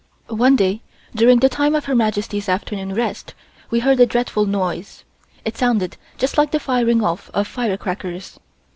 One day during the time of Her Majesty's afternoon rest we heard a dreadful noise. It sounded just like the firing off of fire crackers.